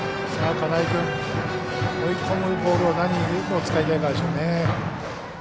金井君、追い込むボール何を使うかでしょうね。